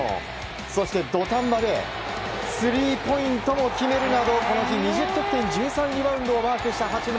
そして土壇場でスリーポイントを決めるなどこの日、２０得点１３リバウンドをマークした八村。